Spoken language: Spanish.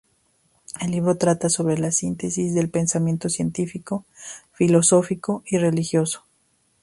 El libro trata sobre la síntesis del pensamiento científico, filosófico y religioso.